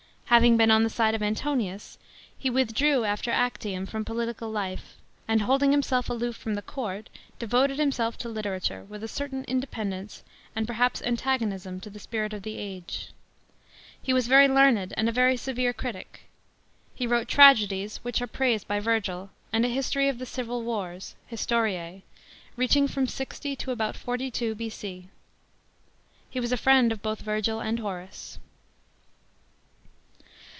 Having been on the side of Antonius, he withdrew a ter Actium from political life, and holding himself aloof from tl;e court, devoted Limsclf to literature, with a ceitain independence and peihaps antaiionibm to the spirit of the age. He was very learned ami c, very severe critic. He wrote tragedies, w! ich are p.aised by Virr'l;* and a history of the civil wars (FJistoriie) reaching fum 60 to about 42 B.c.f He was a friend of both Virgil and IIori.ce.